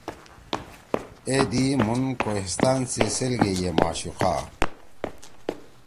اے دی مُھن کوہیستان سی سیل گے یے معشوقا